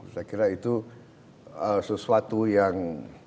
saya kira itu sesuatu yang